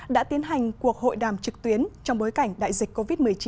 đã tiến hành cuộc hội đàm trực tuyến trong bối cảnh đại dịch covid một mươi chín